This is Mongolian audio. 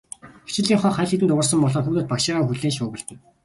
Хичээлийн хонх аль хэдийн дуугарсан болохоор хүүхдүүд багшийгаа хүлээн шуугилдана.